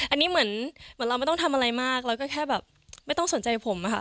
อันนี้เหมือนเราไม่ต้องทำอะไรมากเราก็แค่แบบไม่ต้องสนใจผมอะค่ะ